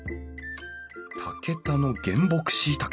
竹田の原木しいたけ。